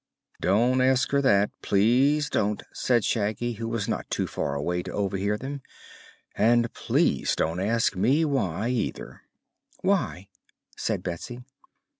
"Don't ask her that, please don't!" said Shaggy, who was not too far away to overhear them. "And please don't ask me why, either." "Why?" said Betsy.